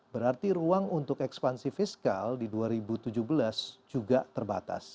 berarti ruang untuk ekspansi fiskal di dua ribu tujuh belas juga terbatas